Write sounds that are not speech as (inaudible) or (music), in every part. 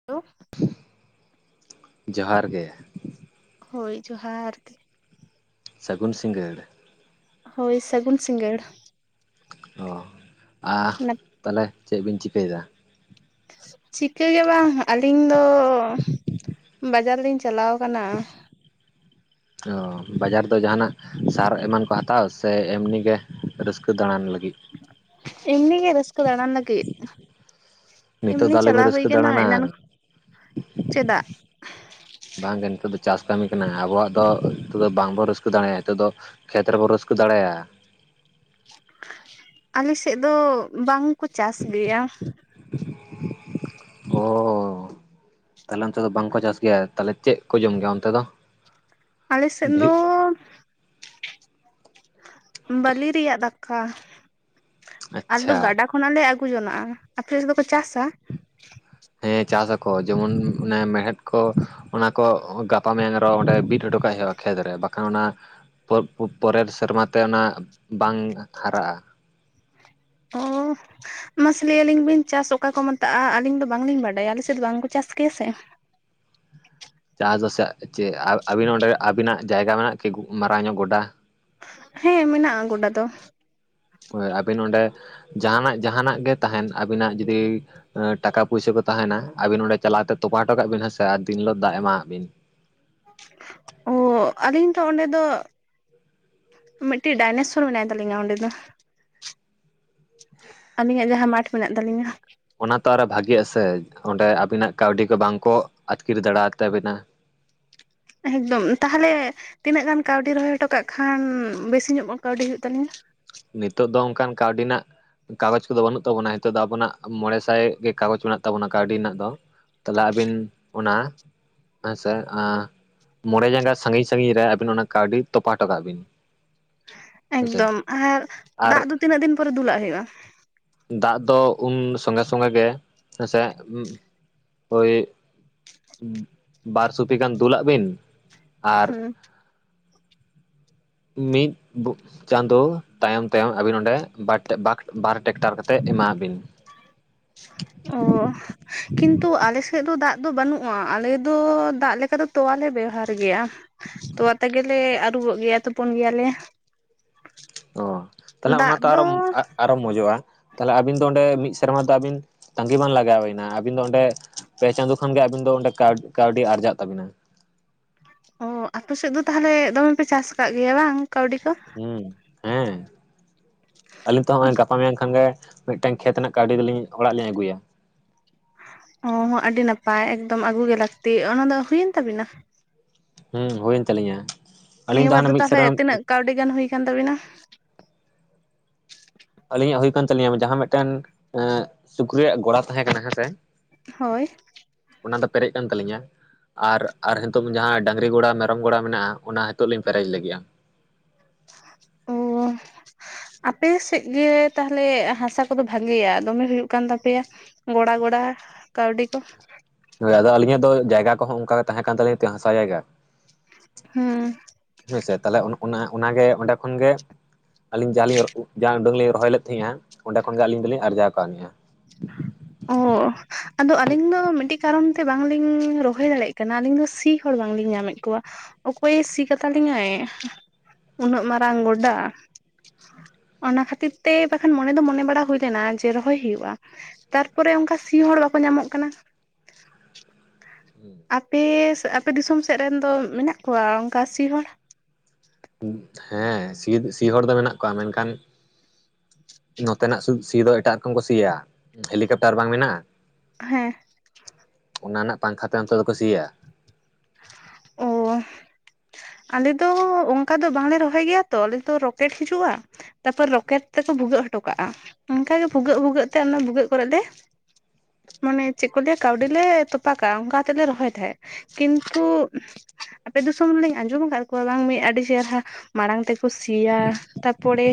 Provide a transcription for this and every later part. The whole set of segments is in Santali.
(unintelligible) ᱡᱚᱦᱟᱨ ᱜᱮ᱾ ᱦᱳᱭ ᱡᱚᱦᱟᱨ ᱜᱮ᱾ ᱥᱟᱹᱜᱩᱱ ᱥᱤᱸᱜᱟᱹᱲ᱾ ᱦᱳᱭ ᱥᱟᱹᱜᱩᱱ ᱥᱤᱸᱜᱟᱹᱲ᱾ ᱚ ᱟ ᱛᱟᱦᱞᱮ ᱪᱮᱜ ᱵᱤᱱ ᱪᱤᱠᱟᱹᱭᱫᱟ? ᱪᱤᱠᱟᱹᱜᱮ ᱵᱟᱝ ᱟᱹᱞᱤᱧ ᱫᱚ ᱵᱟᱡᱟᱨ ᱞᱤᱧ ᱪᱟᱞᱟᱣ ᱠᱟᱱᱟ᱾ ᱚ ᱵᱟᱡᱟᱨ ᱫᱚ ᱡᱟᱦᱟᱱᱟᱜ ᱥᱟᱨ ᱮᱢᱟᱱ ᱠᱚ ᱦᱟᱛᱣ ᱥᱮ ᱮᱢᱱᱤ ᱜᱮ ᱨᱟᱹᱥᱠᱟᱹ ᱫᱟᱬᱟᱱ ᱞᱟᱹᱜᱤᱫ? ᱤᱢᱱᱤᱜᱮ ᱨᱟᱹᱥᱠᱟᱹ ᱫᱟᱲᱟᱱ ᱞᱟᱹᱜᱤᱜ᱾ ᱱᱤᱛᱚᱜ ᱮᱢᱱᱤ ᱫᱚ ᱟᱞᱚᱵᱤᱱ ᱪᱟᱞᱟᱣ ᱦᱩᱭ ᱨᱟᱹᱥᱠᱟᱹ ᱠᱟᱱᱟ ᱫᱟᱬᱟᱱᱟ ᱮᱱᱟᱱ ᱪᱮᱫᱟᱜ? ᱵᱟᱝ ᱜᱮ ᱱᱤᱛᱚᱜ ᱫᱚ ᱪᱟᱥ ᱠᱟᱹᱢᱤ ᱠᱟᱱᱟ ᱟᱵᱚᱣᱟᱜ ᱫᱚ ᱱᱤᱛᱚᱜ ᱫᱚ ᱵᱟᱝ ᱵᱚ ᱨᱟᱹᱥᱠᱟᱹ ᱫᱟᱲᱮᱭᱟᱜ ᱱᱤᱛᱚᱜ ᱫᱚ ᱠᱷᱮᱛ ᱨᱮᱵᱚ ᱨᱟᱹᱥᱠᱟᱹ ᱫᱟᱲᱮᱭᱟᱜᱼᱟ᱾ ᱟᱞᱮ ᱥᱮᱜ ᱫᱚ ᱵᱟᱝᱠᱚ ᱪᱟᱥ ᱜᱮᱭᱟ᱾ ᱚ ᱛᱟᱦᱞᱮ ᱚᱱᱛᱮ ᱫᱚ ᱵᱟᱝᱠᱚ ᱪᱟᱥ ᱜᱮᱭᱟ ᱛᱟᱦᱞᱮ ᱪᱮᱜ ᱠᱚ ᱡᱚᱢ ᱜᱮᱭᱟ ᱚᱱᱛᱮ ᱫᱚ? ᱟᱞᱮᱥᱮᱫ ᱫᱚ ᱰᱷᱮᱨ ᱵᱟᱹᱞᱤ ᱨᱮᱭᱟᱜ ᱫᱟᱠᱟ ᱟᱞᱮ ᱫᱚ ᱟᱪᱪᱷᱟ ᱜᱟᱰᱟ ᱠᱷᱚᱱᱟᱜ ᱞᱮ ᱟᱹᱜᱩ ᱡᱚᱱᱟᱜᱼᱟ ᱟᱯᱮ ᱥᱮᱜ ᱫᱚ ᱠᱚ ᱪᱟᱥᱟ? ᱦᱮᱸ ᱪᱟᱥᱟᱠᱚ ᱡᱮᱢᱚᱱ ᱚᱱᱮ ᱢᱮᱲᱦᱮᱫ ᱠᱚ ᱚᱱᱟ ᱠᱚ ᱜᱟᱯᱟ ᱢᱮᱭᱟᱝ ᱟᱨᱦᱚᱸ ᱚᱸᱰᱮ ᱵᱤᱫ ᱚᱴᱚ ᱠᱟᱜ ᱦᱩᱭᱩᱜᱼᱟ ᱠᱷᱮᱛ ᱨᱮ ᱵᱟᱠᱷᱟᱱ ᱚᱱᱟ ᱯᱚᱨ ᱯᱚᱨᱮᱨ ᱥᱮᱨᱢᱟ ᱛᱮ ᱚᱱᱟ ᱵᱟᱝ ᱦᱟᱨᱟᱜᱼᱟ᱾ ᱚ ᱢᱟᱥᱮ ᱞᱟᱹᱭ ᱟᱹᱞᱤᱧ ᱵᱤᱱ ᱪᱟᱥ ᱚᱠᱟ ᱠᱚ ᱢᱮᱛᱟᱜᱼᱟ? ᱟᱹᱞᱤᱧ ᱫᱚ ᱵᱟᱝᱞᱤᱧ ᱵᱟᱰᱟᱭᱟ ᱟᱞᱮ ᱥᱮᱫ ᱵᱟᱝᱠᱚ ᱪᱟᱥ ᱠᱮᱭᱟ ᱥᱮ᱾ ᱪᱟᱥ ᱫᱚᱥᱮ ᱪᱮᱜ ᱟ ᱟᱹᱵᱤᱱ ᱦᱚᱸ ᱚᱸᱰᱮ ᱟᱹᱵᱤᱱᱟᱜ ᱡᱟᱭᱜᱟ ᱢᱮᱱᱟᱜᱼᱟ ᱠᱤ? ᱢᱟᱨᱟᱝ ᱧᱚᱜ ᱜᱚᱰᱟ᱾ ᱦᱮᱸ ᱢᱮᱱᱟᱜᱼᱟ ᱜᱚᱰᱟ ᱫᱚ᱾ ᱦᱳᱭ ᱟᱹᱵᱤᱱ ᱚᱸᱰᱮ ᱡᱟᱦᱟᱱᱟᱜ ᱡᱟᱦᱟᱱᱟᱜ ᱜᱮ ᱛᱟᱦᱮᱱ ᱟᱹᱵᱤᱱᱟᱜ ᱡᱩᱫᱤ ᱮᱸ ᱴᱟᱠᱟ ᱯᱩᱭᱥᱟᱹ ᱠᱚ ᱛᱟᱦᱮᱱᱟ ᱟᱵᱤᱱ ᱚᱸᱰᱮ ᱪᱟᱞᱟᱣ ᱠᱟᱛᱮ ᱛᱚᱯᱟ ᱚᱴᱚ ᱠᱟᱜ ᱵᱤᱱ ᱦᱮᱸ ᱥᱮ ᱟᱨ ᱫᱤᱱ ᱦᱤᱞᱳᱜ ᱫᱟᱜ ᱮᱢᱟᱣᱟᱜ ᱵᱤᱱ᱾ ᱚ ᱟᱹᱞᱤᱧ ᱫᱚ ᱚᱸᱰᱮ ᱫᱚ ᱢᱤᱜᱴᱤᱡ ᱰᱟᱭᱱᱮᱥᱥᱚᱨ ᱢᱮᱱᱟᱭ ᱛᱟᱹᱟᱞᱤᱧᱟ ᱚᱸᱰᱮ ᱫᱚ᱾ ᱟᱹᱞᱤᱧᱟᱜ ᱡᱟᱦᱟᱸ ᱢᱟᱴᱷ ᱢᱮᱱᱟᱜ ᱛᱟᱹᱞᱤᱧᱟ᱾ ᱚᱱᱟ ᱛᱚ ᱟᱨᱚ ᱵᱷᱟᱜᱤᱜᱼᱟ ᱥᱮ ᱚᱸᱰᱮ ᱟᱹᱵᱤᱱᱟᱜ ᱠᱟᱹᱣᱰᱤ ᱠᱚ ᱵᱟᱝ ᱠᱚ ᱟᱹᱛᱠᱤᱨ ᱫᱟᱲᱮᱣᱟ ᱛᱟᱵᱤᱱᱟ᱾ ᱮᱠᱫᱚᱢ ᱛᱟᱦᱚᱞᱮ ᱛᱤᱱᱟᱹᱜ ᱜᱟᱱ ᱠᱟᱹᱣᱰᱤ ᱨᱚᱦᱚᱭ ᱚᱴᱚ ᱠᱟᱜ ᱠᱷᱟᱱ ᱵᱮᱥᱤ ᱧᱚᱜ ᱠᱟᱹᱣᱰᱤ ᱦᱩᱭᱩᱜ ᱛᱟᱹᱞᱤᱧᱟ᱾ ᱱᱤᱛᱚᱜ ᱫᱚ ᱚᱝᱠᱟᱱ ᱠᱟᱹᱣᱰᱤ ᱱᱟᱜ ᱠᱟᱜᱚᱡᱽ ᱠᱚᱫᱚ ᱵᱟᱹᱱᱩᱜ ᱛᱟᱵᱚᱱᱟ ᱱᱤᱛᱚᱜ ᱫᱚ ᱟᱵᱚᱱᱟᱜ ᱢᱚᱬᱮ ᱥᱟᱭ ᱜᱮ ᱠᱟᱜᱚᱡᱽ ᱢᱮᱱᱟᱜ ᱛᱟᱵᱚᱱᱟ ᱠᱟᱹᱣᱰᱤ ᱱᱟᱜ ᱫᱚ᱾ ᱛᱟᱞᱮ ᱟᱹᱵᱤᱱ ᱚᱱᱟ ᱦᱮᱸᱥᱮ ᱟᱸ ᱢᱚᱬᱮ ᱡᱟᱸᱜᱟ ᱥᱟᱺᱜᱤᱧ ᱥᱟᱺᱜᱤᱧ ᱨᱮ ᱟᱹᱵᱤᱱ ᱚᱱᱟ ᱠᱟᱹᱣᱰᱤ ᱛᱚᱯᱟ ᱚᱴᱚ ᱠᱟᱜ ᱵᱤᱱ᱾ ᱦᱮᱸᱥᱮ ᱮᱠᱫᱚᱢ ᱟᱨ ᱟᱨ ᱫᱟᱜ ᱫᱚ ᱛᱤᱱᱟᱹᱜ ᱫᱤᱱ ᱯᱚᱨᱮ ᱫᱩᱞᱟᱜ ᱦᱩᱭᱩᱜᱼᱟ? ᱫᱟᱜ ᱫᱚ ᱩᱱ ᱥᱚᱸᱜᱮ ᱥᱚᱸᱜᱮ ᱜᱮ ᱦᱮᱸᱥᱮ ᱳᱭ ᱵᱟᱨ ᱥᱩᱯᱤ ᱜᱟᱱ ᱫᱩᱞᱟᱜ ᱵᱤᱱ ᱟᱨ ᱦᱩᱸ ᱢᱤᱫ ᱜᱩ ᱪᱟᱸᱫᱳ ᱛᱟᱭᱚᱢ ᱛᱟᱭᱚᱢ ᱟᱵᱤᱱ ᱱᱚᱸᱰᱮ ᱵᱟᱠ ᱵᱟᱨ ᱴᱷᱮᱜ ᱵᱟᱨ ᱴᱮᱠᱴᱟᱨ ᱠᱟᱛᱮᱜ ᱮᱢᱟ ᱵᱤᱱ᱾ ᱚ ᱠᱤᱱᱛᱩ ᱟᱞᱮ ᱥᱮᱫ ᱫᱚ ᱫᱟᱜ ᱫᱚ ᱵᱟᱹᱱᱩᱜᱼᱟ ᱟᱞᱮ ᱫᱚ ᱫᱟᱜ ᱞᱮᱠᱟ ᱫᱚ ᱛᱳᱣᱟᱞᱮ ᱵᱮᱣᱦᱟᱨ ᱜᱮᱭᱟ ᱾ ᱛᱚᱣᱟ ᱛᱮᱜᱮᱞᱮ ᱟᱹᱨᱩᱵᱚᱜ ᱜᱮᱭᱟ ᱛᱩᱯᱩᱱ ᱜᱮᱭᱟᱞᱮ ᱾ ᱚ ᱛᱟᱦᱚᱞᱮ ᱚᱱᱟ ᱛᱚ ᱟᱨᱚ ᱟᱨᱚ ᱢᱚᱡᱚᱜᱼᱟ ᱛᱟᱦᱚᱞᱮ ᱟᱹᱵᱤᱱ ᱫᱚ ᱚᱸᱰᱮ ᱢᱤᱫ ᱥᱮᱨᱢᱟ ᱫᱟᱹᱵᱤᱱ ᱛᱟᱺᱜᱤ ᱵᱟᱝ ᱞᱟᱜᱟᱣᱮᱱᱟ ᱟᱹᱵᱤᱱ ᱫᱚ ᱚᱸᱰᱮ ᱯᱮ ᱪᱟᱸᱫᱳ ᱠᱷᱟᱱᱜᱮ ᱟᱹᱵᱤᱱ ᱫᱚ ᱚᱸᱰᱮ ᱠᱟᱹᱣ ᱠᱟᱹᱣᱰᱤ ᱟᱨᱡᱟᱜ ᱛᱟᱹᱵᱤᱱᱟ ᱾ ᱚ ᱟᱯᱮ ᱥᱮᱫ ᱫᱚ ᱛᱟᱦᱚᱞᱮ ᱫᱚᱢᱮ ᱯᱮ ᱪᱟᱥ ᱟᱠᱟᱫ ᱜᱮᱭᱟ ᱵᱟᱝ ᱠᱟᱹᱣᱰᱤ ᱠᱚ ᱾ ᱦᱩᱸ ᱦᱮᱸ ᱟᱹᱞᱤᱧ ᱛᱚ ᱦᱚᱜᱚᱭ ᱜᱟᱯ ᱯᱟ ᱢᱮᱭᱟᱧ ᱠᱷᱟᱱ ᱜᱮ ᱢᱤᱜᱴᱮᱝ ᱠᱷᱮᱛ ᱨᱮᱱᱟᱜ ᱠᱟᱹᱣᱰᱤ ᱫᱚᱞᱤᱧ ᱚᱲᱟᱜ ᱞᱤᱧ ᱟᱹᱜᱩᱭᱟ᱾ ᱚ ᱦᱚᱸ ᱟᱹᱰᱤ ᱱᱟᱯᱟᱭ ᱮᱠᱫᱚᱢ ᱟᱹᱜᱩ ᱜᱮ ᱞᱟᱹᱠᱛᱤ ᱾ ᱚᱱᱟ ᱫᱚ ᱦᱩᱭᱮᱱ ᱛᱟᱹᱵᱤᱱᱟ? ᱦᱩᱸ ᱦᱩᱭᱮᱱ ᱛᱟᱹᱞᱤᱧᱟ ᱟᱹᱞᱤᱧ ᱱᱤᱭᱟᱹ ᱵᱟᱨ ᱦᱟᱱᱮ ᱫᱚ ᱢᱤᱫ ᱛᱟᱦᱞᱮ ᱥᱮᱨᱢᱟ ᱛᱤᱱᱟᱹᱜ ᱠᱟᱹᱣᱰᱤ ᱜᱟᱱ ᱦᱳᱭᱠᱟᱱ ᱛᱟᱵᱤᱱᱟ? ᱟᱹᱞᱤᱧᱟᱜ ᱦᱩᱭ ᱠᱟᱱ ᱛᱟᱹᱞᱤᱧᱟ ᱡᱟᱦᱟᱸ ᱢᱤᱫᱴᱮᱱ ᱮ ᱥᱩᱠᱨᱤᱭᱟᱜ ᱜᱚᱲᱟ ᱛᱟᱦᱮᱸ ᱠᱟᱱᱟ ᱦᱮᱸᱥᱮ ᱦᱳᱭ ᱚᱱᱟ ᱫᱚ ᱯᱮᱨᱮᱡ ᱠᱟᱱ ᱛᱟᱹᱞᱤᱧᱟ ᱾ ᱟᱨ ᱟᱨ ᱱᱤᱛᱚᱝ ᱡᱟᱦᱟᱸ ᱰᱟᱹᱟᱝᱨᱤ ᱜᱚᱲᱟ ᱢᱮᱨᱚᱢ ᱜᱚᱲᱟ ᱢᱮᱱᱟᱜᱼᱟ ᱚᱱᱟ ᱦᱤᱛᱚᱜ ᱞᱤᱧ ᱯᱮᱨᱮᱡ ᱞᱟᱹᱜᱤᱜᱼᱟ ᱾ ᱚ (inaudible) ᱟᱯᱮ ᱥᱮᱜ ᱜᱮ ᱛᱟᱦᱞᱮ ᱦᱟᱥᱟ ᱠᱚᱫᱚ ᱵᱷᱟᱜᱮᱭᱟ ᱫᱚᱢᱮ ᱦᱳᱭᱳᱜ ᱠᱟᱱ ᱛᱟᱯᱮᱭᱟ ᱾ ᱜᱚᱲᱟ ᱜᱚᱲᱟ ᱠᱟᱹᱣᱰᱤ ᱠᱚ ᱾ ᱦᱳᱭ ᱟᱫᱚ ᱟᱹᱞᱤᱧᱟᱜ ᱫᱚ ᱡᱟᱭᱜᱟ ᱠᱚᱦᱚᱸ ᱚᱱᱠᱟ ᱛᱟᱦᱮᱸ ᱠᱟᱱ ᱛᱟᱹᱞᱤᱧ ᱛᱮ ᱦᱟᱥᱟ ᱡᱟᱭᱜᱟ ᱾ ᱦᱩᱸ ᱦᱳᱭᱥᱮ ᱛᱟᱦᱚᱞᱮ ᱚᱱᱟ ᱚᱱᱟᱜᱮ ᱚᱸᱰᱮ ᱠᱷᱚᱱ ᱜᱮ ᱟᱹᱞᱤᱧ ᱡᱟᱦᱟᱸᱞᱤᱧ ᱡᱟ ᱩᱰᱟᱹᱝ ᱞᱤᱧ ᱨᱚᱦᱚᱭ ᱞᱮᱫ ᱛᱟᱦᱮᱸᱱᱟ ᱚᱸᱰᱮ ᱠᱷᱚᱱᱜᱮ ᱟᱹᱞᱤᱧ ᱫᱚᱞᱤᱧ ᱟᱨᱡᱟᱣ ᱠᱟᱹᱣᱱᱤᱜᱼᱟ ᱾ ᱚ ᱟᱫᱚ ᱟᱹᱞᱤᱧ ᱫᱚ ᱢᱤᱫᱴᱤᱜ ᱠᱟᱨᱚᱱ ᱛᱮ ᱵᱟᱝᱞᱤᱧ ᱨᱚᱦᱚᱭ ᱫᱟᱲᱮᱭᱟᱜ ᱠᱟᱱᱟ ᱟᱹᱞᱤᱧ ᱫᱚ ᱥᱤ ᱦᱚᱲ ᱵᱟᱝᱞᱤᱧ ᱧᱟᱢᱮᱫ ᱠᱚᱣᱟ ᱾ ᱚᱠᱚᱭᱮ ᱥᱤ ᱠᱟᱛᱟᱞᱤᱧᱟᱭ? ᱩᱱᱟᱹᱜ ᱢᱟᱨᱟᱝ ᱜᱚᱰᱟ᱾ ᱚᱱᱟ ᱠᱷᱟᱹᱛᱤᱨ ᱛᱮ ᱵᱟᱠᱷᱟᱱ ᱢᱚᱱᱮ ᱫᱚ ᱢᱚᱱᱮ ᱵᱟᱲᱟ ᱦᱳᱭ ᱞᱮᱱᱟ ᱡᱮ ᱨᱚᱦᱚᱭ ᱦᱩᱭᱩᱜᱼᱟ᱾ ᱛᱟᱨᱯᱚᱨᱮ ᱚᱱᱠᱟ ᱥᱤ ᱦᱚᱲ ᱵᱟᱠᱚ ᱧᱟᱢᱚᱜ ᱠᱟᱱᱟ ᱾ ᱦᱩᱸ ᱟᱯᱮ ᱟᱯᱮ ᱫᱤᱥᱚᱢ ᱥᱮᱫ ᱨᱮᱱ ᱫᱚ ᱢᱮᱱᱟᱜ ᱠᱚᱣᱟ ᱚᱝᱠᱟ ᱥᱤ ᱦᱚᱲ? ᱦᱮᱸ ᱥᱤ ᱥᱤ ᱦᱚᱲ ᱫᱚ ᱢᱮᱱᱟᱜ ᱠᱚᱣᱟ ᱢᱮᱱᱠᱷᱟᱱ ᱱᱚᱛᱮᱱᱟᱜ ᱥᱤ ᱫᱚ ᱮᱴᱟᱜ ᱨᱚᱠᱚᱢ ᱠᱚ ᱥᱤᱭᱟ ᱦᱮᱞᱤᱠᱟᱯᱴᱟᱨ ᱵᱟᱝ ᱢᱮᱱᱟᱜᱼᱟ᱾ ᱦᱮᱸ ᱚᱱᱟ ᱨᱮᱱᱟᱜ ᱯᱟᱝᱠᱷᱟ ᱛᱮ ᱱᱚᱛᱮ ᱫᱚᱠᱚ ᱥᱤᱭᱟ ᱾ ᱚ (inaudible) ᱟᱞᱮ ᱫᱚ ᱚᱝᱠᱟ ᱫᱚ ᱵᱟᱝᱞᱮ ᱨᱚᱦᱚᱭ ᱜᱮᱭᱟ ᱛᱚ ᱟᱞᱮ ᱫᱚ ᱨᱚᱠᱮᱴ ᱦᱤᱡᱩᱜᱼᱟ ᱾ ᱛᱟᱨᱯᱚᱨ ᱨᱚᱠᱮᱴ ᱛᱮᱠᱚ ᱵᱷᱩᱜᱟᱹᱜ ᱦᱚᱴᱚ ᱠᱟᱜᱼᱟ ᱾ᱚᱱᱠᱟᱜᱮ ᱵᱷᱩᱜᱟᱹᱜ ᱵᱷᱩᱜᱟᱹᱜ ᱛᱮ ᱚᱱᱟ ᱵᱷᱩᱜᱟᱹᱜ ᱠᱚᱨᱮ ᱞᱮ ᱢᱟᱱᱮ ᱪᱮᱜ ᱠᱚ ᱞᱟᱹᱭᱟ ᱠᱟᱹᱣᱰᱤ ᱞᱮ ᱛᱚᱯᱟᱠᱟᱜᱼᱟ ᱚᱱᱠᱟ ᱛᱮᱞᱮ ᱨᱚᱦᱚᱭ ᱛᱟᱦᱟᱸᱜ ᱾ ᱠᱤᱱᱛᱩ ᱟᱯᱮ ᱫᱤᱥᱚᱢ ᱨᱮᱞᱤᱧ ᱟᱸᱡᱚᱢ ᱠᱟᱫ ᱠᱚᱣᱟ ᱵᱟᱝ ᱢᱤᱫ ᱟᱹᱰᱤ ᱪᱮᱦᱨᱟ ᱢᱟᱲᱟᱝ ᱛᱮᱠᱚ ᱥᱤᱭᱟ ᱛᱟ ᱯᱚᱲᱮ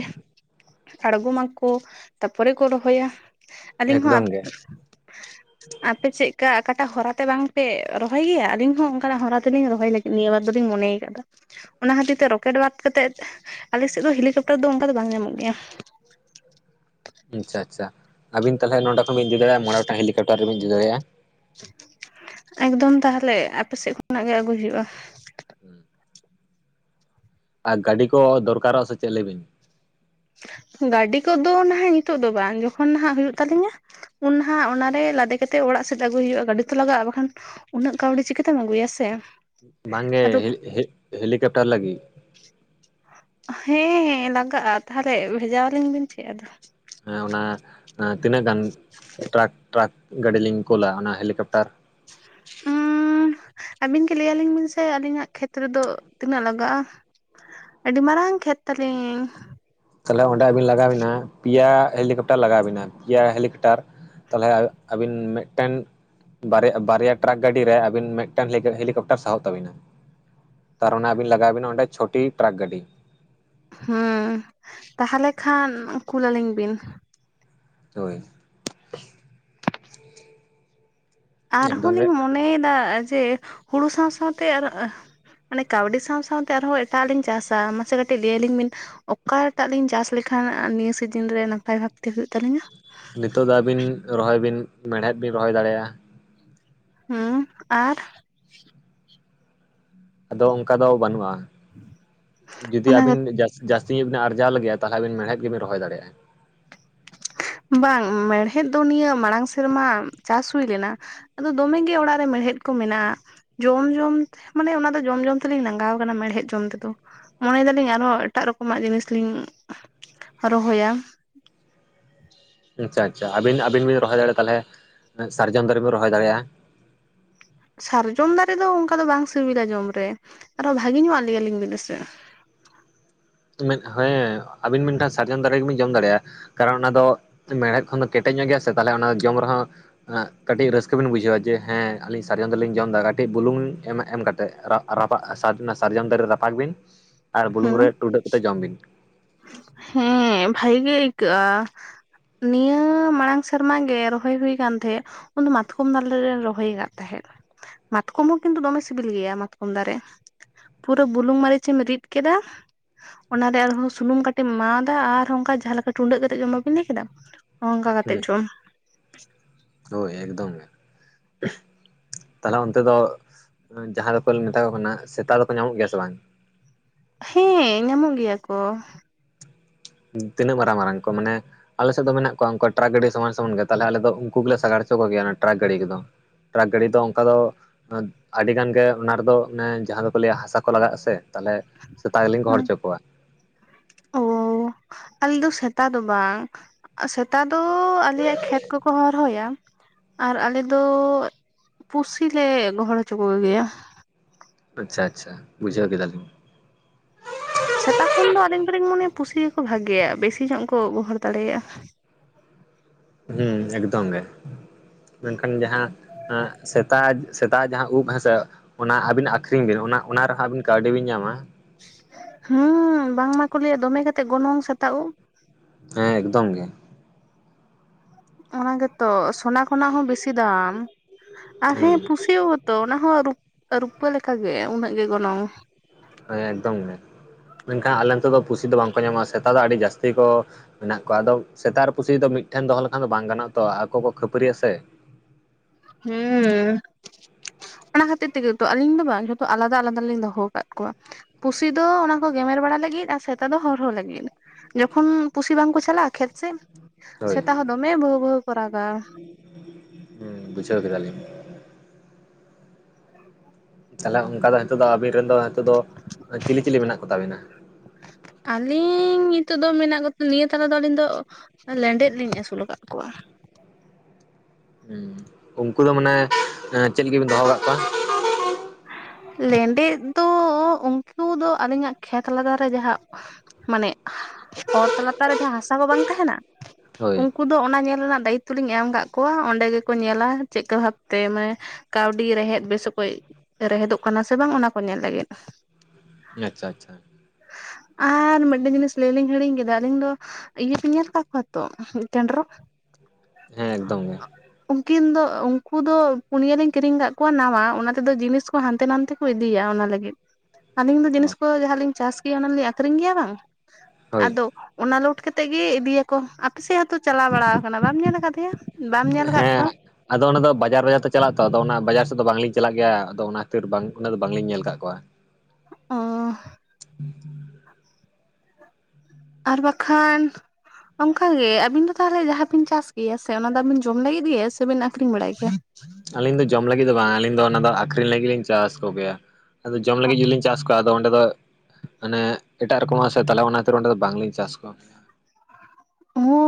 ᱟᱲᱜᱚᱢᱟᱠᱚ ᱛᱟᱨᱯᱚᱨᱮ ᱠᱚ ᱨᱚᱦᱚᱭᱟ ᱾ ᱟᱹᱞᱤᱧ ᱦᱚᱸ ᱮᱠᱫᱚᱢ ᱜᱮ ᱟᱯᱮ ᱪᱮᱜᱠᱟ ᱟᱠᱟᱴᱟᱜ ᱦᱚᱨᱟᱛᱮ ᱵᱟᱝᱯᱮ ᱨᱚᱦᱚᱭ ᱜᱮᱭᱟ ᱟᱹᱞᱤᱧ ᱦᱚᱸ ᱚᱱᱠᱟᱱᱟᱜ ᱦᱚᱨᱟ ᱛᱮᱞᱤᱧ ᱨᱚᱦᱚᱭ ᱞᱟᱹᱜᱤᱫ ᱱᱤᱭᱟᱹ ᱵᱟᱨ ᱫᱚᱞᱤᱧ ᱢᱚᱱᱮ ᱠᱟᱫᱟ ᱾ ᱚᱱᱟ ᱠᱷᱟᱹᱛᱤᱨ ᱛᱮ ᱨᱚᱠᱮᱴ ᱵᱟᱫ ᱠᱟᱛᱮᱫ ᱟᱞᱮ ᱥᱮᱫ ᱫᱚ ᱦᱮᱞᱤᱠᱟᱯᱴᱟᱨ ᱫᱚ ᱚᱱᱠᱟ ᱫᱚ ᱵᱟᱝ ᱧᱟᱢᱚᱜ ᱜᱮᱭᱟ ᱾ ᱟᱪᱪᱷᱟ ᱟᱪᱪᱷᱟ ᱟᱹᱵᱤᱱ ᱛᱟᱦᱞᱮ ᱱᱚᱰᱮ ᱠᱷᱚᱱ ᱵᱤᱱ ᱤᱫᱤ ᱫᱟᱲᱮᱭᱟᱜᱼᱟ ᱢᱚᱬᱮ ᱜᱚᱴᱟᱝ ᱦᱮᱞᱤᱠᱚᱯᱚᱴᱟᱨ ᱫᱚᱵᱤᱱ ᱤᱫᱤ ᱫᱟᱲᱭᱟᱜᱼᱟ ᱾ ᱮᱠᱫᱚᱢ ᱛᱟᱦᱞᱮ ᱟᱯᱮ ᱥᱮᱫ ᱠᱷᱚᱱᱟᱜ ᱜᱮ ᱟᱹᱜᱩᱭ ᱦᱩᱭᱩᱜᱼᱟ ᱾ ᱦᱩᱸ ᱟᱨ ᱜᱟᱹᱰᱤ ᱠᱚ ᱫᱚᱨᱠᱟᱨᱚᱜᱼᱟ ᱥᱮ ᱪᱮᱫ ᱞᱮᱭ ᱵᱤᱱ? ᱜᱟᱹᱰᱤ ᱠᱚᱫᱚ ᱱᱟᱦᱟᱜ ᱱᱤᱛᱳᱜ ᱫᱚ ᱵᱟᱝ ᱡᱚᱠᱷᱚᱱ ᱱᱟᱦᱟᱜ ᱦᱩᱭᱩᱜ ᱛᱟᱹᱞᱤᱧᱟ ᱼᱼ ᱩᱱ ᱱᱟᱦᱟᱜ ᱚᱱᱟᱨᱮ ᱞᱟᱫᱮ ᱠᱟᱛᱮᱫ ᱚᱲᱟᱜ ᱥᱮᱫ ᱟᱹᱜᱩᱭ ᱦᱩᱭᱩᱜᱼᱟ ᱾ ᱜᱟᱹᱰᱤ ᱛᱚ ᱞᱟᱜᱟᱜᱼᱟ ᱵᱟᱠᱷᱟᱱ ᱼᱼ ᱩᱱᱟᱹᱜ ᱠᱟᱹᱣᱰᱤ ᱪᱤᱠᱟᱹᱛᱮᱢ ᱟᱹᱜᱩᱭᱟ ᱥᱮᱼᱼ ᱵᱟᱝᱜᱮ (unintelligible) ᱦᱮᱞᱤᱠᱮᱯᱴᱟᱨ ᱞᱟᱹᱜᱤᱫᱼᱼ ᱦᱮᱸ ᱦᱮᱸ ᱞᱟᱜᱟᱜᱼᱟ ᱛᱟᱦᱚᱞᱮ ᱵᱷᱮᱡᱟᱣᱟᱞᱤᱧ ᱵᱤᱱ ᱪᱮᱫ ᱟᱫᱚᱼᱼ ᱦᱮᱸ ᱚᱱᱟ ᱛᱤᱱᱟᱹᱜ ᱜᱟᱱ ᱴᱨᱟᱠ (unintelligible) ᱜᱟᱹᱰᱤ ᱞᱤᱧ ᱠᱳᱞᱟ ᱚᱱᱟ ᱦᱮᱞᱤᱠᱯᱴᱟᱨᱼᱼ ᱦᱩᱸᱼᱼ ᱟᱹᱵᱤᱱ ᱜᱮ ᱞᱟᱹᱭ ᱟᱞᱤᱧ ᱵᱤᱱ ᱥᱮ ᱟᱹᱞᱤᱧᱟᱜ ᱠᱷᱮᱛ ᱨᱮᱫᱚ ᱛᱤᱱᱟᱹᱜ ᱞᱟᱜᱟᱜᱼᱟᱼᱼ ᱟᱹᱰᱤ ᱢᱟᱨᱟᱝ ᱠᱷᱮᱛ ᱛᱟᱞᱤᱧ᱾ ᱛᱟᱦᱚᱞᱮ ᱚᱸᱰᱮ ᱟᱹᱵᱤᱱ ᱞᱟᱜᱟᱣ ᱵᱤᱱᱟ ᱯᱮᱭᱟ ᱦᱮᱞᱤᱠᱮᱯᱴᱟᱨ ᱞᱟᱜᱟᱣ ᱟᱵᱤᱱᱟ ᱯᱮᱭᱟ ᱦᱮᱞᱤᱠᱮᱯᱴᱟᱨ᱾ ᱛᱟᱦᱞᱮ ᱟᱹᱵᱤᱱ ᱢᱤᱫᱴᱟᱝᱼᱼ (unintelligible) ᱵᱟᱨᱭᱟ ᱴᱨᱟᱠ ᱜᱟᱹᱰᱤ ᱨᱮ ᱟᱹᱵᱤᱱ ᱢᱤᱫᱴᱟᱝ ᱦᱮᱞᱤᱠᱯᱴᱟᱨ ᱥᱟᱦᱚᱵ ᱛᱟᱵᱤᱱᱟ᱾ ᱛᱟᱨᱢᱟᱱᱮ ᱟᱹᱵᱤᱱ ᱞᱟᱜᱟᱣ ᱟᱵᱤᱱᱟ ᱚᱸᱰᱮ ᱪᱷᱚᱴᱤ ᱴᱨᱟᱠ ᱜᱟᱹᱰᱤᱼᱼ ᱦᱮᱸ᱾ ᱛᱟᱦᱚᱞᱮ ᱠᱷᱟᱱ ᱠᱩᱞ ᱟᱹᱞᱤᱧ ᱵᱤᱱᱼᱼ ᱦᱳᱭ᱾ ᱟᱨᱦᱚᱸ ᱮᱠᱫᱚᱢ ᱜᱮ ᱞᱤᱧ ᱢᱚᱱᱮᱭᱮᱫᱟ ᱡᱮ ᱦᱩᱲᱩ ᱥᱟᱶ ᱥᱟᱶᱟᱶᱛᱮ (unintelligible) ᱼᱼ ᱢᱟᱱᱮ ᱠᱟᱹᱣᱰᱤ ᱥᱟᱶ ᱥᱟᱶᱛᱮ ᱟᱨᱦᱚᱸ ᱮᱴᱟᱜ ᱞᱤᱧ ᱪᱟᱥᱟ ᱢᱟᱥᱮ ᱠᱟᱹᱴᱤᱡ ᱞᱟᱹᱭ ᱟᱹᱞᱤᱧ ᱵᱤᱱᱼᱼ ᱚᱠᱟᱴᱟᱜ ᱞᱤᱧ ᱪᱟᱥ ᱞᱮᱠᱷᱟᱱ ᱱᱤᱭᱟᱹ ᱥᱤᱡᱤᱱ ᱨᱮ ᱱᱟᱯᱟᱭ ᱵᱷᱟᱵᱛᱮ ᱦᱩᱭᱩᱜ ᱛᱟᱞᱤᱧᱟ? ᱱᱤᱛᱚᱜ ᱫᱚ ᱟᱹᱵᱤᱱ ᱨᱚᱦᱚᱭ ᱵᱤᱱ ᱢᱮᱲᱦᱮᱫ ᱵᱤᱱ ᱨᱚᱦᱚᱭ ᱫᱟᱲᱮᱭᱟᱜᱼᱟ᱾ ᱦᱮᱸ ᱟᱨᱼᱼ ᱟᱫᱚ ᱚᱱᱠᱟ ᱫᱚ ᱵᱟᱹᱱᱩᱜᱼᱟ (unintelligible) ᱡᱩᱫᱤ ᱚᱱᱟ ᱟᱹᱵᱤᱱ ᱡᱟᱹᱥᱛᱤᱼᱼ ᱡᱟᱹᱥᱛᱤ ᱧᱚᱜ ᱵᱤᱱ ᱟᱨᱡᱟᱣ ᱞᱟᱜᱤᱫ ᱛᱟᱦᱚᱞᱮ ᱟᱵᱤᱱ ᱢᱮᱲᱦᱮᱫ ᱜᱮᱵᱤᱱ ᱨᱚᱦᱚᱭ ᱫᱟᱲᱮᱭᱟᱜᱼᱟ᱾ ᱵᱟᱝ ᱢᱮᱲᱦᱮᱫ ᱫᱚ ᱱᱤᱭᱟᱹ ᱢᱟᱲᱟᱝ ᱥᱮᱨᱢᱟ ᱪᱟᱥ ᱦᱩᱭ ᱞᱮᱱᱟᱼᱼ ᱟᱫᱚ ᱫᱚᱢᱮ ᱜᱮ ᱚᱲᱟᱜ ᱨᱮ ᱢᱮᱲᱦᱮᱫ ᱠᱚ ᱢᱮᱱᱟᱜᱼᱟ᱾ ᱡᱚᱢ ᱡᱚᱢ ᱢᱟᱱᱮ ᱚᱱᱟ ᱫᱚ ᱡᱚᱢ ᱡᱚᱢ ᱛᱮᱞᱤᱧ ᱞᱟᱸᱟᱜᱟᱣ ᱠᱟᱱᱟ ᱢᱮᱲᱦᱮᱫ ᱡᱚᱢ ᱛᱮᱫᱚᱼᱼ ᱢᱚᱱᱮ ᱮᱫᱟᱞᱤᱧ ᱟᱨᱦᱚᱸ ᱮᱴᱟᱜ ᱨᱚᱠᱚᱢᱟᱜ ᱡᱤᱱᱤᱥᱞᱤᱧ ᱨᱚᱦᱚᱭᱟᱼᱼ ᱟᱪᱪᱷᱟ ᱟᱪᱪᱷᱟ ᱟᱵᱤᱱ ᱟᱵᱤᱱ ᱵᱤᱱ ᱨᱚᱦᱚᱭ ᱫᱟᱲᱮᱭᱟᱜᱼᱟ ᱛᱟᱦᱚᱞᱮ ᱥᱟᱨᱡᱚᱢ ᱫᱟᱨᱮ ᱵᱤᱱ ᱨᱚᱦᱚᱭ ᱫᱟᱲᱮᱭᱟᱜᱼᱟ᱾ ᱥᱟᱨᱡᱚᱢ ᱫᱟᱨᱮ ᱫᱚ ᱚᱱᱠᱟ ᱫᱚ ᱵᱟᱝ ᱥᱤᱵᱤᱞᱟ ᱡᱚᱢ ᱨᱮ ᱟᱨᱦᱚ ᱵᱷᱟᱜᱮ ᱧᱚᱜᱟᱜ ᱞᱟᱹᱭ ᱟᱞᱤᱧ ᱵᱤᱱᱥᱮᱼᱼ ᱦᱮᱸ ᱟᱵᱤᱱ ᱢᱤᱫᱴᱟᱝ ᱥᱟᱨᱡᱚᱢ ᱫᱟᱨᱮ ᱜᱮᱵᱤᱱ ᱡᱚᱢ ᱫᱟᱲᱮᱭᱟᱜᱼᱟᱼᱼ ᱠᱟᱨᱚᱱ ᱚᱱᱟ ᱫᱚ ᱢᱮᱲᱦᱮᱫ ᱠᱷᱚᱱ ᱫᱚ ᱠᱮᱴᱮᱡ ᱧᱚᱜ ᱜᱮᱭᱟ ᱥᱮ ᱛᱟᱦᱚᱞᱮ ᱚᱱᱟ ᱡᱚᱢ ᱨᱮᱦᱚᱸᱼᱼ ᱠᱟᱹᱴᱤᱡ ᱨᱟᱹᱥᱠᱟᱹ ᱵᱤᱱ ᱵᱩᱡᱷᱟᱹᱣᱟ ᱡᱮ ᱦᱮᱸ ᱟᱹᱞᱤᱧ ᱥᱟᱨᱡᱚᱢ ᱫᱚᱨᱮᱞᱤᱧ ᱡᱚᱢ ᱮᱫᱟ ᱠᱟᱹᱴᱤᱡ ᱵᱩᱞᱩᱝ ᱮᱢ ᱠᱟᱛᱮᱫ (unintelligible) ᱼᱼ ᱨᱟᱯᱟᱜ (unintelligible) (unintelligible) ᱥᱟᱨᱡᱚᱢ ᱫᱟᱨᱮ ᱨᱟᱯᱟᱜ ᱵᱤᱱ ᱟᱨ ᱵᱩᱞᱩᱝ ᱦᱮᱸ ᱨᱮ ᱴᱩᱰᱟᱹᱜ ᱠᱟᱛᱮ ᱡᱚᱢ ᱵᱤᱱᱼᱼ ᱦᱮᱸ ᱵᱷᱟᱜᱮ ᱟᱹᱭᱠᱟᱹᱜᱼᱟ᱾ ᱱᱤᱭᱟᱹ ᱢᱟᱲᱟᱝ ᱥᱮᱨᱢᱟ ᱜᱮ ᱨᱚᱦᱚᱭ ᱦᱩᱭ ᱟᱠᱟᱱ ᱛᱟᱦᱮᱸᱫᱼᱼ ᱩᱱ ᱫᱚ ᱢᱟᱛᱠᱚᱢ ᱫᱟᱨᱮ ᱞᱮ ᱨᱚᱦᱚᱭ ᱠᱟᱫ ᱛᱟᱦᱮᱸᱫᱼᱼ ᱢᱟᱛᱠᱚᱢ ᱦᱚᱸ ᱠᱤᱱᱛᱩ ᱫᱚᱢᱮ ᱥᱤᱵᱤᱞ ᱜᱮᱭᱟ ᱢᱟᱛᱠᱚᱢ ᱫᱟᱨᱮ᱾ ᱯᱩᱨᱟᱹ ᱵᱩᱞᱩᱝ ᱢᱟᱹᱨᱤᱪ ᱮᱢ ᱨᱤᱫ ᱠᱮᱫᱟ ᱚᱱᱟᱨᱮ ᱟᱨᱦᱚᱸᱼᱼ ᱥᱩᱱᱩᱢ ᱠᱟᱴᱤᱡ ᱮᱢᱟ ᱟᱫᱟ ᱟᱨ ᱚᱱᱠᱟ ᱡᱟᱦᱟᱸ ᱞᱮᱠᱟ ᱴᱩᱸᱰᱟᱹᱜ ᱠᱟᱛᱮᱫ ᱡᱚᱢ ᱵᱟᱵᱤᱱ ᱞᱟᱹᱭ ᱠᱮᱫᱟ ᱚᱱᱠᱟ ᱠᱟᱛᱮᱫ ᱦᱩᱸ ᱡᱚᱢᱼᱼ ᱦᱳᱭ ᱮᱠᱫᱚᱢ ᱜᱮ᱾ ᱛᱟᱦᱞᱮ ᱚᱱᱛᱮ ᱫᱚ ᱡᱟᱦᱟᱸ ᱫᱚᱠᱚ ᱢᱮᱛᱟ ᱠᱚ ᱠᱟᱱᱟ ᱥᱮᱛᱟ ᱫᱚᱠᱚ ᱧᱟᱢᱚᱜ ᱜᱮᱭᱟ ᱥᱮ ᱵᱟᱝ? ᱦᱮᱸ ᱧᱟᱢᱚᱜ ᱜᱮᱭᱟ ᱠᱚ᱾ ᱛᱤᱱᱟᱹᱜ ᱢᱟᱨᱟᱝ ᱢᱟᱨᱟᱝ ᱠᱚ ᱢᱟᱱᱮᱼᱼ ᱟᱞᱮ ᱥᱮᱫ ᱫᱚ ᱢᱮᱱᱟᱜ ᱠᱚᱣᱟ ᱩᱱᱠᱩ ᱴᱨᱟᱠ ᱜᱟᱹᱰᱤ ᱥᱚᱢᱟᱱ ᱥᱚᱢᱟᱱ ᱜᱮ ᱛᱟᱦᱞᱮ ᱟᱞᱮ ᱫᱚ ᱩᱱᱠᱩ ᱜᱮᱞᱮ ᱥᱟᱜᱟᱲ ᱦᱚᱪᱚ ᱠᱚᱜᱮᱭᱟ ᱚᱱᱟ ᱴᱨᱟᱠ ᱜᱟᱹᱰᱤ ᱠᱚᱫᱚ᱾ ᱴᱨᱟᱠ ᱜᱟᱹᱰᱤ ᱫᱚ ᱚᱱᱠᱟ ᱫᱚᱼᱼ ᱟᱹᱰᱤ ᱜᱟᱱ ᱜᱮ ᱚᱱᱟ ᱨᱮᱫᱚ ᱢᱟᱱᱮ ᱡᱟᱦᱟᱸ ᱫᱚᱠᱚ ᱞᱟᱹᱭᱟ ᱦᱟᱥᱟ ᱠᱚ ᱞᱟᱜᱟᱜᱼᱟ ᱥᱮᱼᱼ ᱛᱟᱦᱞᱮ ᱥᱮᱛᱟ ᱜᱮᱞᱤᱧ ᱜᱚᱦᱚᱲ ᱦᱩᱸ ᱦᱚᱪᱚ ᱠᱚᱣᱟ᱾ (unintelligible) ᱟᱞᱮ ᱫᱚ ᱥᱮᱛᱟ ᱫᱚ ᱵᱟᱝᱼᱼ ᱥᱮᱛᱟ ᱫᱚ ᱟᱞᱮᱭᱟᱜ ᱠᱷᱮᱛ ᱠᱚᱠᱚ ᱦᱚᱨᱦᱚᱭᱟᱼᱼ ᱟᱨ ᱟᱞᱮ ᱫᱚ ᱯᱩᱥᱤ ᱞᱮ ᱜᱚᱦᱚᱲ ᱦᱚᱪᱚ ᱠᱚᱜᱮᱭᱟ᱾ ᱟᱪᱪᱷᱟ ᱟᱪᱪᱷᱟ ᱵᱩᱡᱷᱟᱹᱣ ᱠᱮᱫᱟᱞᱤᱧ ᱥᱮᱛᱟ ᱠᱷᱚᱱ ᱫᱚ ᱟᱹᱞᱤᱧ ᱫᱚᱞᱤᱧ ᱢᱚᱱᱮᱭᱟ ᱯᱩᱥᱤ ᱜᱮᱠᱚ ᱵᱷᱟᱜᱮᱭᱟ ᱵᱮᱥᱤ ᱧᱚᱜ ᱠᱚ ᱜᱚᱦᱚᱲ ᱫᱟᱲᱮᱭᱟᱜ-ᱟ ᱦᱮᱸ ᱮᱠᱫᱚᱢ ᱜᱮ ᱢᱮᱱᱠᱷᱟᱱ ᱡᱟᱦᱟᱸ ᱦᱮ ᱥᱮᱛᱟ ᱥᱮᱛᱟ ᱡᱟᱦᱟᱸ ᱩᱵ ᱦᱮᱸᱥᱮ ᱚᱱᱟ ᱟᱹᱵᱤᱱᱟᱜ ᱟᱹᱷᱨᱤᱧ ᱵᱤᱱ ᱚᱱᱟ ᱚᱱᱟ ᱨᱮᱦᱚᱸ ᱟᱹᱵᱤᱱ ᱠᱟᱹᱣᱰᱤ ᱵᱤᱱ ᱧᱟᱢᱟ ᱦᱩᱸ ᱵᱟᱝᱢᱟ ᱠᱚ ᱞᱟᱹᱭᱟ ᱫᱚᱢᱮ ᱠᱟᱛᱮᱫ ᱜᱚᱱᱚᱝ ᱥᱮᱛᱟ ᱩᱵ ᱦᱮᱸ ᱮᱠᱫᱚᱢ ᱜᱮ ᱚᱱᱟ ᱜᱮᱛᱚ ᱥᱚᱱᱟ ᱠᱷᱚᱱᱟᱜ ᱦᱚᱸ ᱵᱤᱥᱤ ᱫᱟᱢ ᱟᱨ ᱦᱮᱸ ᱯᱩᱥᱤ ᱛᱚ ᱚᱱᱟ ᱦᱚᱸ ᱨᱩ ᱨᱩᱯᱟᱹ ᱞᱮᱠᱟᱜᱮ ᱩᱱᱟᱹᱜ ᱜᱮ ᱜᱚᱱᱚᱝ ᱦᱮᱸ ᱮᱠᱫᱚᱢ ᱜᱮ ᱢᱮᱱᱠᱷᱟᱱ ᱟᱞᱮ ᱱᱚᱛᱮ ᱫᱚ ᱯᱩᱥᱤ ᱫᱚ ᱵᱟᱝᱠᱚ ᱧᱟᱢᱚᱜ-ᱟ ᱥᱮᱛᱟ ᱫᱚ ᱟᱹᱰᱤ ᱡᱟᱹᱥᱛᱤ ᱠᱚ ᱢᱮᱱᱟᱜ ᱠᱚᱣᱟ ᱟᱫᱚ ᱥᱮᱛᱟ ᱟᱨ ᱯᱩᱥᱤ ᱫᱚ ᱢᱤᱫᱴᱷᱮᱱ ᱫᱚᱦᱚ ᱞᱮᱠᱷᱟᱱ ᱫᱚ ᱵᱟᱝ ᱜᱟᱱᱚᱜ-ᱟ ᱛᱚ ᱟᱠᱚ ᱠᱚ ᱠᱷᱟᱹᱯᱟᱹᱨᱤ ᱟᱥᱮ ᱦᱩᱸ ᱚᱱᱟ ᱠᱷᱟᱹᱛᱤᱨ ᱛᱮᱜᱮ ᱛᱚ ᱟᱹᱞᱤᱧ ᱫᱚ ᱵᱟᱝ ᱡᱚᱛᱚ ᱟᱞᱟᱫᱟ ᱟᱞᱟᱫᱟ ᱞᱤᱧ ᱫᱚᱦᱚᱣ ᱠᱟᱜ ᱠᱚᱣᱟ ᱯᱩᱥᱤ ᱫᱚ ᱚᱱᱟ ᱠᱚ ᱜᱮᱢᱮᱨ ᱵᱟᱲᱟ ᱞᱟᱹᱜᱤᱫ ᱟᱨ ᱥᱮᱛᱟ ᱫᱚ ᱦᱚᱨᱦᱚ ᱞᱟᱹᱜᱤᱫ ᱡᱚᱠᱷᱚᱱ ᱯᱩᱥᱤ ᱵᱟᱝᱠᱚ ᱪᱟᱞᱟᱜ-ᱟ ᱠᱷᱮᱛ ᱥᱮᱡ ᱦᱳᱭ ᱥᱮᱛᱟ ᱦᱚᱸ ᱫᱚᱢᱮ ᱵᱷᱟᱹᱣ ᱵᱷᱟᱹᱣ ᱠᱚ ᱨᱟᱜᱟ ᱦᱩᱸ ᱵᱩᱡᱟᱹᱣ ᱠᱮᱫᱟᱞᱤᱧ ᱛᱟᱦᱚᱞᱮ ᱚᱱᱠᱟ ᱫᱚ ᱦᱤᱛᱚᱜ ᱫᱚ ᱟᱵᱤᱱ ᱨᱮᱱ ᱫᱚ ᱦᱤᱛᱚᱜ ᱫᱚ ᱪᱤᱞᱤ ᱪᱤᱞᱤ ᱢᱮᱱᱟᱜ ᱠᱚᱛᱟ ᱵᱤᱱᱟ ᱟᱹᱞᱤᱧ ᱱᱤᱛᱚᱜ ᱫᱚ ᱢᱮᱱᱟᱜ ᱠᱚ ᱱᱤᱭᱟᱹ ᱛᱟᱨᱟ ᱫᱚ ᱟᱹᱞᱤᱧ ᱫᱚ ᱞᱮᱸᱰᱮᱫ ᱞᱤᱧ ᱟᱹᱥᱩᱞ ᱟᱠᱟᱫ ᱠᱚᱣᱟ ᱦᱮᱸ ᱩᱱᱠᱩ ᱫᱚ ᱢᱟᱱᱮ ᱪᱮᱫ ᱞᱟᱹᱜᱤᱫ ᱵᱤᱱ ᱫᱚᱦᱚ ᱟᱠᱟᱫ ᱠᱚᱣᱟ ᱞᱮᱸᱰᱮᱛ ᱫᱚ ᱩᱱᱠᱩ ᱫᱚ ᱟᱹᱞᱤᱧᱟᱜ ᱠᱷᱮᱛ ᱞᱟᱜᱟᱣ ᱨᱮ ᱡᱟᱦᱟᱸ ᱢᱟᱱᱮ ᱚᱛ ᱞᱟᱛᱟᱨ ᱨᱮ ᱡᱟᱦᱟᱸ ᱦᱟᱥᱟ ᱠᱚ ᱵᱟᱝ ᱛᱟᱦᱮᱱᱟ ᱦᱳᱭ ᱩᱱᱠᱩ ᱫᱚ ᱚᱱᱟ ᱧᱮᱞ ᱨᱮᱱᱟᱜ ᱫᱟᱭᱤᱛᱛᱚ ᱞᱤᱧ ᱮᱢ ᱟᱠᱟᱫ ᱠᱚᱣᱟ ᱚᱸᱰᱮ ᱜᱮᱠᱚ ᱧᱮᱞᱟ ᱪᱮᱫᱠᱟ ᱵᱷᱟᱵᱛᱮ ᱢᱟᱱᱮ ᱠᱟᱹᱣᱰᱤ ᱨᱮᱦᱮᱫ ᱵᱮᱥ ᱚᱠᱚᱡ ᱨᱮᱦᱮᱫᱚᱜ ᱠᱟᱱᱟ ᱥᱮ ᱵᱟᱝ ᱚᱱᱟ ᱠᱚ ᱧᱮᱞ ᱞᱟᱹᱜᱤᱫ ᱟᱪᱪᱷᱟ ᱟᱪᱪᱷᱟ ᱟᱨ ᱢᱤᱫᱴᱮᱱ ᱡᱤᱱᱤᱥ ᱞᱟᱹᱭ ᱞᱤᱧ ᱦᱤᱲᱤᱧ ᱠᱮᱫᱟ ᱟᱹᱞᱤᱧ ᱫᱚ ᱤᱭᱟᱹ ᱵᱮᱱ ᱧᱮᱞ ᱟᱠᱟᱫ ᱠᱚᱣᱟ ᱛᱚ ᱠᱮᱸᱰᱨᱚᱝ ᱦᱮᱸ ᱮᱠᱫᱚᱢ ᱜᱮ ᱩᱱᱠᱤᱱ ᱫᱚ ᱩᱱᱠᱩ ᱫᱚ ᱯᱩᱱᱭᱟᱹ ᱞᱤᱧ ᱠᱤᱨᱤᱧ ᱟᱠᱟᱫ ᱠᱚᱣᱟ ᱱᱟᱣᱟ ᱚᱱᱟ ᱛᱮᱫᱚ ᱡᱤᱱᱤᱥ ᱦᱟᱱᱛᱮ ᱱᱟᱛᱮ ᱠᱚ ᱤᱫᱤᱭᱟ ᱚᱱᱟ ᱞᱟᱹᱜᱤᱫ ᱟᱞᱤᱧ ᱫᱚ ᱡᱤᱱᱤᱥ ᱠᱚ ᱡᱟᱦᱟᱸ ᱞᱤᱧ ᱪᱟᱥ ᱚᱱᱟ ᱞᱤᱧ ᱟᱠᱷᱨᱤᱧ ᱜᱮᱭᱟ ᱵᱟᱝ ᱦᱳᱭ ᱟᱫᱚᱢ ᱚᱱᱟ ᱞᱳᱴ ᱠᱟᱛᱮᱜ ᱜᱮᱤ ᱤᱫᱤᱭᱟᱠᱚ ᱟᱯᱮ ᱥᱮᱫ ᱦᱚᱸᱛᱚ ᱪᱟᱞᱟᱣ ᱵᱟᱲᱟ ᱠᱟᱱᱟ ᱵᱟᱢ ᱧᱮᱞ ᱟᱠᱟᱫᱮᱭᱟ ᱵᱟᱢ ᱧᱮᱞ ᱟᱠᱟᱫ ᱦᱮᱸ ᱠᱚᱣᱟ ᱟᱫᱚ ᱚᱱᱟ ᱫᱚ ᱵᱟᱡᱟᱨ ᱵᱟᱡᱟᱨ ᱛᱮ ᱪᱟᱞᱟᱜ ᱛᱚ ᱟᱫᱚ ᱚᱱᱟ ᱵᱟᱡᱟᱨ ᱥᱮᱫ ᱫᱚ ᱵᱟᱝᱞᱤᱧ ᱪᱟᱞᱟᱜ ᱜᱮᱭᱟ ᱟᱫᱚ ᱚᱱᱟ ᱠᱷᱟᱹᱛᱤᱨ ᱵᱟᱝ ᱚᱱᱟ ᱫᱚ ᱵᱟᱝᱞᱤᱧ ᱧᱮᱞ ᱟᱠᱟᱫ ᱠᱚᱣᱟ ᱚᱻᱦ ᱟᱨ ᱵᱟᱠᱷᱟᱱ ᱚᱱᱠᱟᱜᱮ ᱟᱵᱤᱱ ᱫᱚ ᱛᱟᱦᱚᱞᱮ ᱡᱟᱦᱟᱸ ᱵᱤᱱ ᱪᱟᱥ ᱜᱮᱭᱟ ᱥᱮ ᱚᱱᱟ ᱫᱚᱵᱤᱱ ᱡᱚᱢ ᱞᱟᱹᱜᱤᱫ ᱜᱮ ᱥᱮ ᱵᱤᱱ ᱟᱠᱷᱨᱤᱧ ᱵᱟᱲᱟᱭ ᱜᱮᱭᱟ ᱟᱞᱤᱧ ᱫᱚ ᱡᱚᱢ ᱞᱟᱹᱜᱤᱫ ᱫᱚ ᱵᱟᱝ ᱟᱹᱞᱤᱧ ᱫᱚ ᱚᱱᱟ ᱫᱚ ᱟᱹᱠᱷᱨᱤᱧ ᱞᱟᱹᱜᱤᱫ ᱞᱤᱧ ᱪᱟᱥ ᱠᱚᱜᱮᱭᱟ ᱟᱫᱚ ᱡᱚᱢ ᱞᱟᱹᱜᱤᱫ ᱡᱞᱤᱤᱧ ᱪᱟᱥ ᱠᱚᱣᱟ ᱚᱸᱰᱮ ᱫᱚ ᱢᱟᱱᱮ ᱮᱴᱟᱜ ᱨᱚᱠᱚᱢᱟᱜ ᱥᱮ ᱛᱟᱦᱞᱮ ᱚᱱᱟ ᱠᱷᱟᱛᱤᱨ ᱚᱸᱰᱮ ᱫᱚ ᱵᱟᱝᱞᱤᱧ ᱪᱟᱥ ᱠᱚᱣᱟ ᱦᱚᱸ